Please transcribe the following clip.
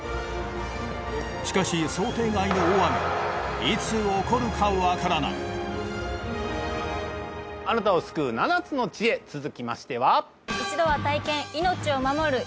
しかし想定外の大雨はいつ起こるか分からないあなたを救う７つの知恵続きましては？